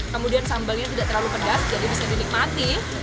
kemudian sambalnya tidak terlalu pedas jadi bisa dinikmati